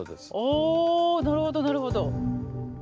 おなるほどなるほど。